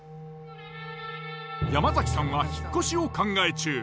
山崎さんは引っ越しを考え中。